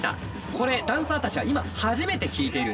これダンサーたちは今初めて聴いているんです。